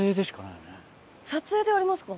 撮影でありますか？